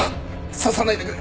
刺さないでくれ。